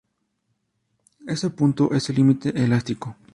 Ese punto es el límite elástico.